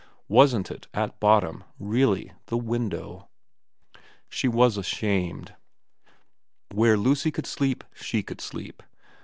Wasn't it, at bottom, really the window ? She was ashamed. Where Lucy could sleep she could sleep.